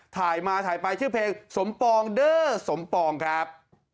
ถ่ายมาถ่ายไปชื่อเพลงสมปองเด้อสมปองครับ